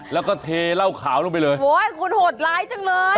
แล้วก็เทเหล้าขาวลงไปเลยโอ้ยคุณโหดร้ายจังเลย